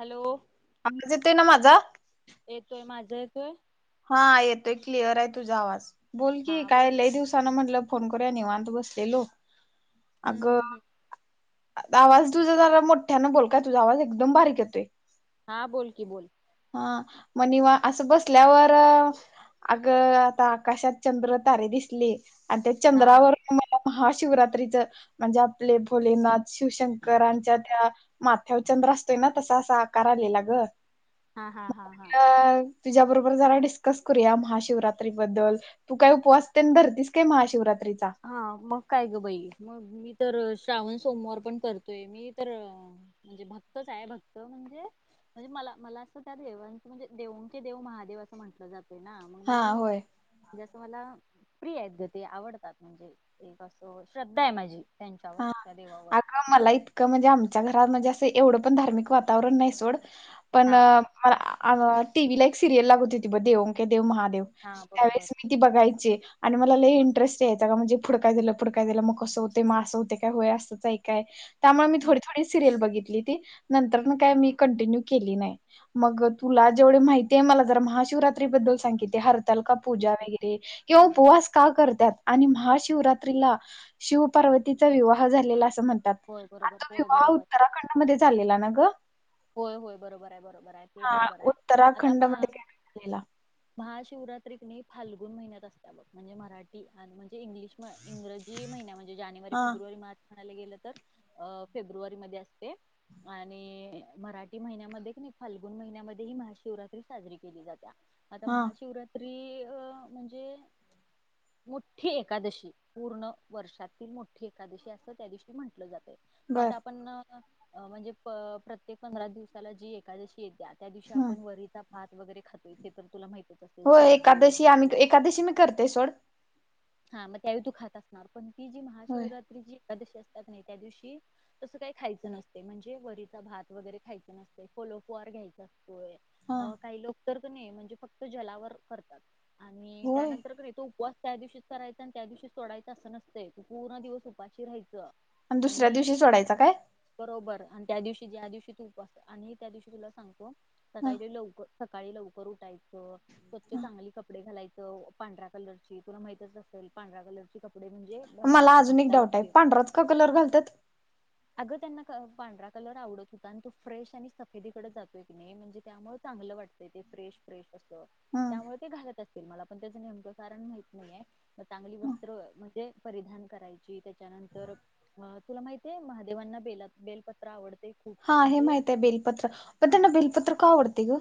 Hello आज येत आहे ना माझा येतोय माझा येतोय हा येतोय क्लिअर आहे तुझा आवाज बोल की हा बोल काय लही दिवसान म्हटलं फोन करूया निवांत बसलेलो हम्म अगं हम् हम् आवाज तुझा जरा मोठ्यानं बोलताय तुझा आवाज एकदम बारीक येतोय हा बोल की बोल हा म निवा असं बसल्यावर अगं आता आकाशात चंद्र तारे दिसली आणि त्या हा चंद्रावर मला महाशिवरात्रीचं म्हणजे आपले भोलेनाथ शिवशंकरांच्या त्या माथ्यावर चंद्र असतोय ना तसा असा कलेला ग हा हा हा हा अ तुझ्या बरोबर जरा डिस्कस करूया महाशिवरात्रीबद्दल तू काय उपवासते रतीस काय महाशिवरात्रीचा हा मग काय ग बाई मग मी तर श्रावण सोमवार पण करतोय मी तर म्हणजे भक्तच आहे भक्त म्हणजे म्हणजे मला मला असं त्या देवांचे म्हणजे देऊणचे देव महादेव असं म्हटलं जाते ना मग हा मी होय जसं मला प्रिय आहेत ग ते आवडतात म्हणजे एक असं श्रद्धा आहे माझी त्यांच्यावर त्या देवावर. ह मला इतकं म्हणजे आमच्या घरात म्हणजे असं एवढं पण धार्मिक वातावरण नाही सोड पण. हा म टीव्ही ला एक सिरियल लागत होती बघ दे ओक देव महादेव हा बरोबर त्यावेळेस मी. मला बघायची आणि मला इंटरेस्ट यायं का म्हणजे फुडकाय दिलं फुडकाय दिलं मग कसं होते मग असं हो. काय अस काय त्यामुळे मी हम्म थोडी थोडी. सिरयल बघितली त नंतर काय मी कंटिन्यू केली नाही. मग तुला जेवढे माहितीय आहे मला जरा महाशिवरात्री बद्दल सांग की ते हरतालिका पूजन वगैरे. किंवा उपवास का करतात आणि महाशिवरात्रीला शिवपार्वती. तिचा विवाह झालेला अस म्हणतात होय आ बरोबर तो होय विवाह बरोबर उत्तराखंडमध्ये झालेला ना ग. होय होय बरोबर आहे बरोबर आहे ते हा बरोबर आहे आता उत्तराखंड महा. मध्ये काय झालेला महाशिवरात्री फाल्गुन महिन्यात असत बघ म्हणजे मराठी आणि म्हणजे इंग्लिश. इंग्रजी महिन्या म्हणजे जानेवारी हा फेब्रुवारी मार्च. म्हणाला गेलं तर अ फेब्रुवारी मध्ये असते आणि. मराठी महिन्यामध्ये क नाही फाल्गुून महिन्यामध्ये ही महाशिवरात्री साजरी केली जाते आता हा महाशिवरात्री अ म्हणजे मोठी एकादशी पूर्ण वर्षातील मोठी एकादशी असं त्या दिवशी म्हटलं जाते बर मग आपण म्हणजे प्रत्येक पंधरा दिवसाला जी एकादशी येते. त्या दिवशी हम्म आपण वरीचा भात वगैरे खातोय हे तर तुला माहितचत. हो एकादशी आम्ही एकादशी मी करते सोड. हा मग त्यावेळी तू खात असणार पण ती जी होय महाशिवरात्री जी. एकादशी असतात नाही त्या दिवशी तसं काही खायचं नसते म्हणजे वरीचा भात. वगैरे खायच नसत फलोपुहार घ्यायच असतोय हा अ काही लोक. तर नाही म्हणजे फक्त जलावर करतात आणि होय त्यानंतर नाही तो उपवास. त्या दिवशीच करायचं आणि त्या दिवशी सोडायचं असं नसतंय तू पूर्ण दिवस उपाशी राहायचं. आणि दुसऱ्या दिवशी सोडायचा काय? बरोबर आणि त्या दिवशी ज्या दिवशी तू उपास आणि त्या दिवशी तुला सांगतो हा, सकाळी लवकर सकाळी लवकर उठायचं. स्वच्छ हा. चांगली कपडे घालायचं. पांढरा - - कलरची तुला माहितच असेल पांढऱ्या कलरची कपडे म्हणजे मला अ अजून एक भक्ताला डाऊट आहे प्रिय पांढराच का कलर घालतात. अगं त्यांना पांढरा कलर आवडत हो - - ता कारण तो फ्रेश आणि सफेदीकडे जातोय की नाही म्हणजे त्यामुळे चांगलं वाटतय ते फ्रेश फ्रेश अस ह त्यामुळे ते घालत असतील. मला पण त्याचं नेमकं कारण माहित नाईआय. चांगली वस्त्र म्हणजे परिधान करायची त्याच्यानंतर अ तुला माहिती हाय महादेवांना बेला बेलपत्र आवडतयं खूप. हा हे म्हणजे माहिती हाय बेलपत्र. पण त्यांना बेलपत्र का आवडतयं गं?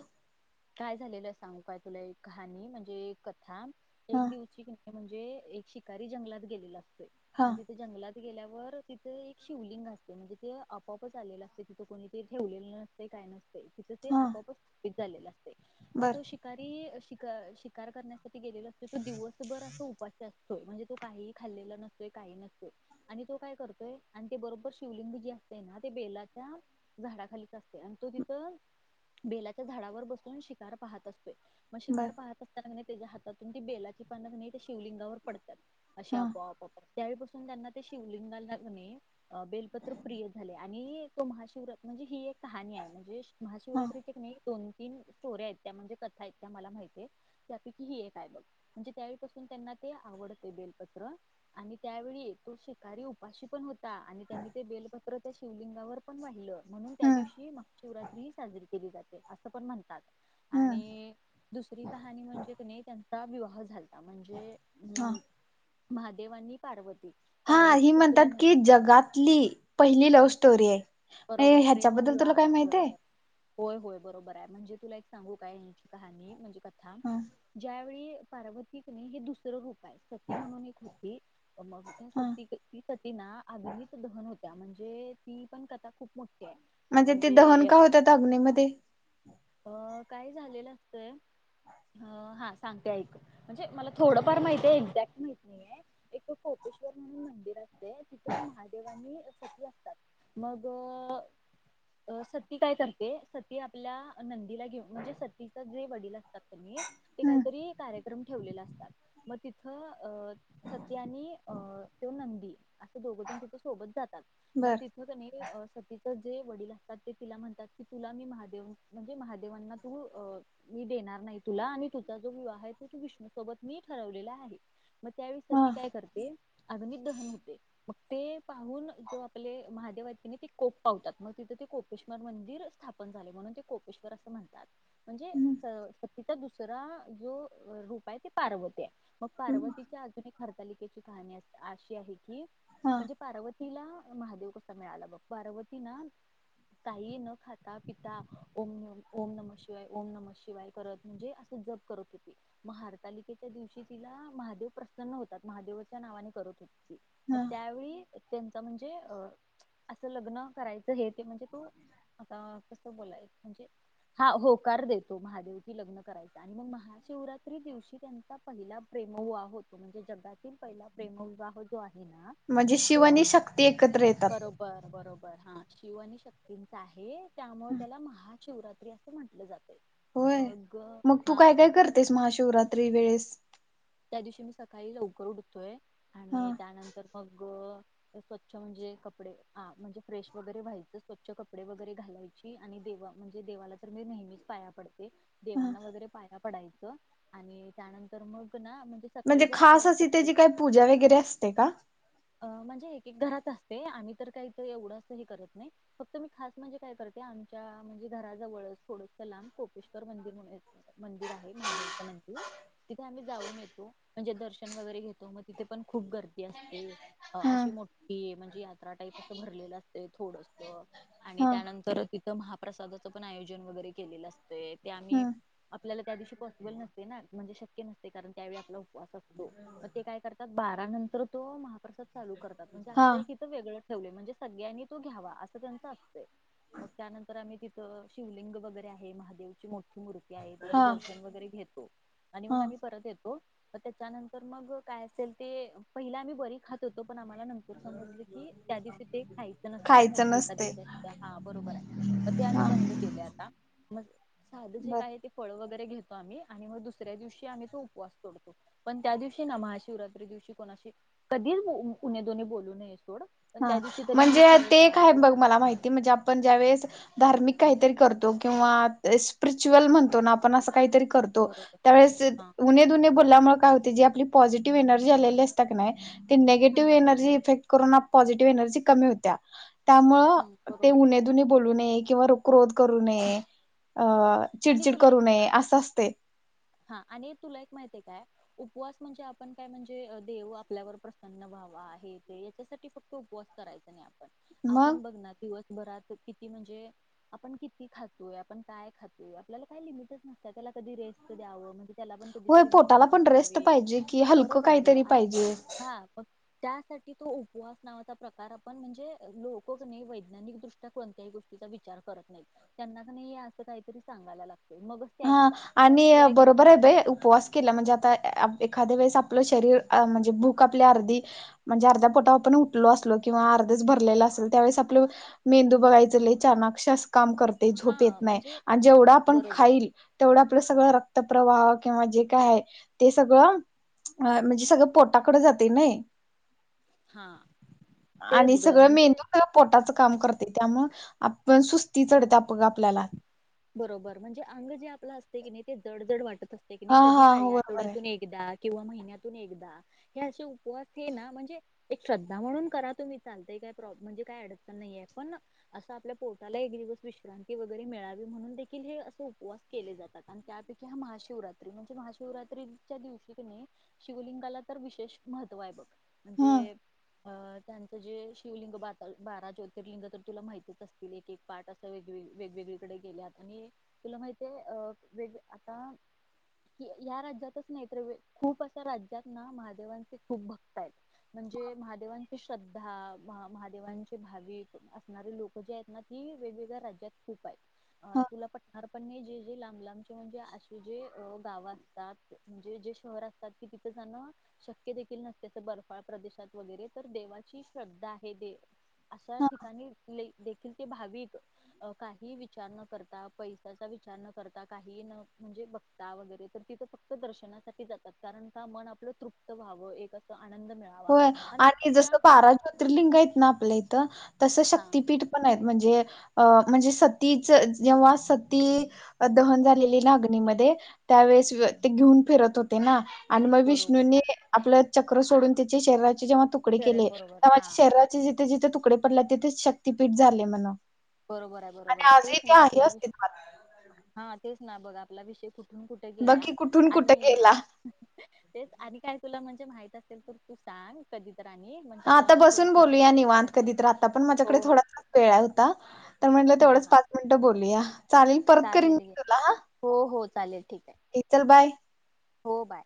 काय झालेलं सांगू काय तुला एक कहाणी म्हणजे कथा हा एक दिवची कनी - - म्हणजे एक शिकारी जंगलात गेलेला असतोय हा आणि तिथं - - जंगलात गेल्यावर तिथे एक शिवलिंग असते म्हणजे ते आपोआपच आलेलं असते तिथं कोणीतरी ठेवलेलं नसत काय नसतयं तिथ ते हा आपोआपच स्थपित झालेलं असतयं मग बर तो शि शीकारी शिकार करण्यासाठी गेलेला असतो तो दिवसभर अस उपााशी अस होय म्हणजे तो काही खाल्लेला नसतोय काही नसतोय. आणि तो काय करतोय आणि ते बरोबर शिवलिंग जे असतयं ना ते बेलाच्या- - झाडाखालीच असतयं आणि तो तिथं बेलाच्या झाडावर बसु [unintelligible] शिकार पाहत असतोयं. पण बर शिकार पाहत - - असताना त्याच्या हातातून ती बेलाची पाना शिवलिंगावर पडत्यात अशी हा आपोआप त्यावेळीपासून त्यांना ते शिवलिंगाना कनी बेलपत्र प्रिय झाले आणि महाशिवरात म्हणजे ही एक कहाणी आहे म्हणजे. हा महाशिवरात्रीचे कनी दोन तीन स्टोऱ्या आहेत त्या म्हणजे कथा आहेत त्या मला माहिती हाईत. त्यापैकी ही एक आहे बघ म्हणजे त्यावेळीपासून त्यांना ते आवडते बेलपत्र. आणि त्यावेळी तो शिकारी उपाशी पण हो - - ता आणि त्यांनी ते बेलपत्र त्या शिवलिंगावर पण वाहिलं म्हणून त्या हम्म दिवशी महाशिवरात्री साजरी केली जाते असं पण म्हणतात हम्म आणि दुसरी कहाणी म्हणजे कनी त्यांचा विवाह झालता म्हणजे हा अं महादेवांनी पार्वती. हा पार्वती ही तर म्हणतात तुला माहित की जगातली पहिली लव्ह स्टोरी हाय. आणि बरोबर ह्याच्याबद्दल तुला प्रेमविवाह काय माहित हाय. बरोबर होय, होय. बरोबर हाय म्हणजे तुला एक सांगू काय याची कहाणी म्हणजे कथा ह ज्यावेळी पार्वती कनी हे दुसरं रूप- - काय सती म्हणून एक होती मग त्या हा स ती सती ना अग्नीत दहन होत त्या म्हणजे ती पण कथा खूप मोठी हाय. म्हणजे ते दहन का होत्यात अग्नेमध्ये? अ काय झालेलं असतंय. हा. सांगते ऐक. म्हणजे मला थोडंफार माहिती हाय एक्झॅक्ट माहीत नाहीये. एक कोपेश्वर म्हणून मंदिर अस - - ते तिथं महादेवानी सती असतात मग - - अ सती काय करते सती आपल्या नंदीला घेऊन म्हणजे सतीचा जे वडील असतात कनी ते हम्म काहीतरी कार्यक्रम ठेवलेला असतात मग तिथ अ सती आणि अ तो नंदी - - असं दोघं जण तिच्या सोबत जातात. मग बर तिथं कनी सतीच जे वडील असतात ते तिला म्हणतात की तुला मी महादेव म्हणजे महादेवांना तू अ मी देणार नाही तुला आणि तुझा जो विवाह आहे तो त विष्णू सोबत मी ठरवलेला आहे. मग त्यावेळेस हा ती काय करते. आग्नित दहन होते. मग ते पाहून जो आपले महादेव आहेत तिने ते कोप पावतात मग तिथे ते कोपेश्वर मंदिर स्थापन झाले म्हणून ते कोपेश्वर असं म्हणतात. म्हणजे हम्म, सक्तीचा दुसरा जो रूप आहे ते पार्वती आहे मग पार्वतीच्या अजून एक हरतालिकेची कहाणी अस अशी आहे की हा म्हणजे पार्वतीला महादेव कसा मिळाला बघ पार्वती ना काही न खाता पिता ओम ओम नम शिवाय ओम नम शिवाय करत म्हणजे असं जप क करत ते म हारतालिकेच्या दिवशी तिला महादेव प्रसन्न होतात महादेवाच्या नावाने करत होते ती मग हा त्यावेळी त्यांचा म्हणजे अ असं लग्न करायचं हे ते म्हणजे तू आता कसं बोलाय म्हणजे हा होकार देतो महादे की ल्न करायचं आणि मग महा शिवरात्री दिवशी त्यांचा पहिला प्रेमवुवा होतो म्हणजे जगातील पहिला प्रेमविवाह जो आहे ना म्हणजे शिवनी शक्ती एकत्र येतात बर बरोबर हा शिव आणि शक्तींचा आहे त्यामुळे त्याला महाशिवरात्री असे म्हंटले जाते होय मग तू काय काय करतेस महाशिवरात्री वेळेस त्या दिवशी मी सकाळी लवकर उठतोय हा आणि त्यानंतर मग स्वच्छ म्हणजे कपडे म्हणजे फ्रेश वगैरे व्हायचं स्वच्छ कपडे वगैरे घालायचे आणि देव म्हणजे देवाला तर मी नेहमीच पाया पडते हा देवांना वगैरे पायया पडायचं आणि त्यानंतर मग ना म्हणजे म्हणजे सकाळी जर खास आपल्याला अशी शक्य त्याची काही पूजा वगैरे असते का अ म्हणजे एक एक घरात असते आम्ही तर काही तर एवढंच हे करत नाही फक्त मी खास म्हणजे काय करते आमच्या म्हणजे घराजवळच थोडंस सं लांब कोपेश्वर मंदिर म्हणून य मंदिर आहे महादेवचं मंदिर तिथे आम्ही जाऊन येतो म्हणजे दर्शन वगैरे घेतो मग तिथे पण खूप गर्दी असते अ हा अशी मोठी म्हणजे यात्रा टाईप असं भरलेलं असते थोडसत आणि हा त्यानंतर तिथं महाप्रसादाचं पण आयोजन वगैरे केलेलं असतंय ते आम्ही हम्म आपल्याला त्या दिवशी पॉसिबल नसते ना म्हणजे शक्य नसते कारण त्यावेळी आपला उपवास असतो मग ते काय करतात बारा नंतर तो महाप्रसाद चालू करतात म्हणजे हा असं एक इथं वेगळं ठेवले म्हणजे सगळ्यांनी तो घ्यावा असं त्यांचं असतंय मग त्यानंतर आम्ही तिथं शिवलिंग वगैरे आहे महादेवची मोठी मूर्ती आहे त्याच हा दर्शन वगैरे घेतो आणि मग हा आम्ही परत येतो त्याच्यानंतर मग काय असेल ते पहिले आम्ही बरी खात होतो पण आम्हाला नंतर समजलं की त्या दिवशी ते खायचं नसते खायचं मोठी नसते एखकादवशी हा बरोबर आहे मग ते आम्ही हा बंद ता साध जे बर काय आहे ते फळ वगैरे घेतो आम्ही आणि मग दुसऱ्या दिवशी आम् तूपवासतोडतो पण त्या दिवशी ना महाशिवरात्री दिवशी कोणाशी कधीच उ् दोन्ही बोलू नये सोड पण हा त्या दिवशी तरी म्हणजे ते शिवीगाळ काय बघ मला माहिती म्हणजे आपण ज्यावेेळेस धार्मिक काहीतरी करतो किंवा स्पिरिच्युअल म्हणतो ना आपण असं काहीतरी करतो बरोबर हा त्याळेु बल्यामुळे काय हो ज आपली पॉझिटिव्ह एनर्जी आलेली असात नाही ते हम्म नेगेटिव्ह एनर्जी इफेक्ट करूनना पॉझिटिव्ह एनर्जी कमी होत हम्म त्यामुळं ते बरोबर उणेधुणे बोलू नये किंवा रोक रोध करू नये अ आणि चिडचिड तुला करू एक नये असं असते हा आणि तुला एक माहिती आहेय काय उपवास म्हणजे आपण काय म्हणजे देव आपल्यावर प्रसन्न व्हावा आहे ते याच्यासाठी फक्त उपवास करायचा मग आपण बघ ना दिवसभरात किती म्हणजे आपण किती खातोय आपण काय खातोय आपल्याला काय लिमिटच नसत त्याला कधी रेस्ट द्यावं म्हणजे त्याला पण होय कधीतरी पोटाला विश्रांती पण रेस्ट ठहावी पाहिजे कि हलकं बरोबर ग काहीतरी आ पाहिजे हा प त्यासाठी तो उपवास नावाचा प्रकार आपण म्हणजे लोकक नाही वैज्ञानिक दृष्ट कोण्या गोष्टी विचार करत नाही त्यांना अस कातरी सांगाय लाग हा आणि बरोबर उपवास केला म्हणजे आता एखाद्या वेळेस आपलं शरीर म्हणजे भूक आपल्या अर्धी म्हणजे अर्ध्या पोटा आपण उठलो असलो किंवा अर्धेच भरलेलं असेल त्यावेळेस आपलं मेंदू बघायच चानाक्षस काम करते झोप हा येत नाही म्हणजे आणि जेवढा आपण बरोबर खाईल तेवढं आपलं सगळं रक्त प्र्रवाह किंवा जे काय आहे ते सगळं अ म्हणजे सगळं पोटाकडे जाते नाही हा आणि तेच ग सगळं म्हणजे मेंदू पोटाचं काम करते त्यामु आपण सुस्ती चढते आपघ आपल्याला बरोबर म्हणजे अंग जे आपलं असते की नाही ते जडजड वाटत असते नाही हा कधी हा खाली हो बरोबर आहे आठवड्यातून एकदा किंवा महिन्यातून एकदा हे असे उपवास हे ना म्हणजे एक श्रद्धा म्हणून करा तुम्ही चालताय काय प्रॉ् म्हणजे काय अडचतण नाहीे पण असं आपल्या पोटाला एक दिवस विश्रांत की वगैरे मिळावी म्हणून देखील हे असे उपवास केले जातात आणि त्यापैकी हा महाशिवरात्री म्हणजे महाशिवरात्री च्या दिवशीने शिवलिंगाला तर विशेष महत्त्व आहे बघ म्हणजे ह अ त्यांचं जे शिवलिंग ब बारा ज्योतिर्लिंग तर तुला माहतीच असतील एक एक पाठ असं वेग वेगवेगळीकडे गेल्या आणि तुला माहिित आहे अ वेग आता की ह्या राज्यातच नाही तर खूप अशा राज्यात ना महादेवांचे खूप भक्त आहेत म्हणजे महादेवांची श्रद्धा महादेवांचे भाविक असणारे लोक े आहेत ना ती वेगवेगळ्या राज्य प तुला पारपण जे जे लांब लांबचे म्हणजे असेे गावं असतात म्हणजे जे शहर असतात कि तिथं जाण शक्य देखील नसते अस बर्फाळ प्रदेशात वगैरे तर देवाची श्रद्धा आहे दे अशा ह ठिकाणी देखील ते भाविक अ काही विचार न करता पैसाचा विचार न करता काही न म्हणजे बघ वगैरे तर तिथं फक्त दर्शनासाठी जातात कारण का मन आपलं तृप्त व्हावं एक अस आनंद मिळा होय आणि जसं बारा ज्योतिर्लिंग आहेत ना आपल्या इथं तसं हा शक्ततीपीठ पण आहेत म्हणजे अ म्हणजे सतीच जेव्हा सती दहन झालेली ना अग्नीमध्येध्ये त्यावेेळेस ते घेऊन फिरत होते ना आणि मग बरोबर विष्णूनी आपलं चक्र सोडून त्याचे शरीराचे जेव्हा तुकडे शरीर केले बरोबर तेव्हाझ हा शरी जिथे जिथे तुकडे पडले तिथे शक्तीपीठ झाले म्हणा बरोबर आहे बरोबर आहे तेच ना आपला अस्तित्वात हा तेच ना बघ आपला विषय कुठ ून कुठे बघ गेला की कुठून कुठे आणि गेला तेच आणि काय तुला म्हणजे माहित असेल तर तू सांग कधी तर आणि म्हणजे आता मला बसून थोडस बोलूया जायचं आहे ग निवांध बाहेर कधी राहता पण हो माझ्याकडे हो थोडा वेळा हो म्हणलं हा तेवढंच हा पाच मिनिटं बोलया चालेल परत करीन चालेल मी घे. तुला हा हो हो चालेल ठीक आहे इतर बाय हो बाय